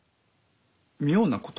妙なこと？